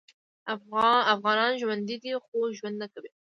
افغانان ژوندي دې خو ژوند نکوي